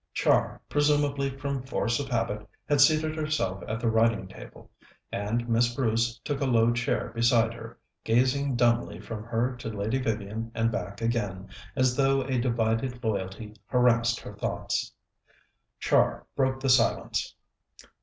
Char, presumably from force of habit, had seated herself at the writing table, and Miss Bruce took a low chair beside her, gazing dumbly from her to Lady Vivian and back again, as though a divided loyalty harassed her thoughts. Char broke the silence.